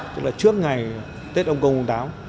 tức là trước ngày tết ông công hùng táo